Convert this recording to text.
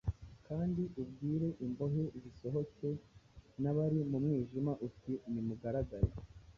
Kandi ubwire imbohe zisohoke n’abari mu mwijima uti ‘ Nimugaragare.’